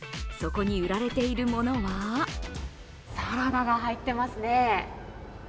そこに売られているものはサラダが入っていますね。